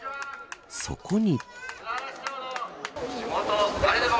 そこに。